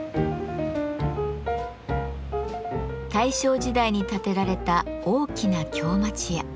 大正時代に建てられた大きな京町家。